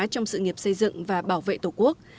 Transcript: trong sự nghiệp xây dựng và bảo vệ tổ quốc